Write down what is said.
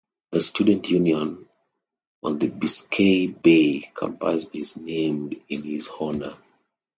The student union on the Biscayne Bay Campus is named in his honor.